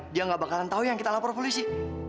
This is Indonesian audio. dia gak bakalan tahu yang kita lapor polisi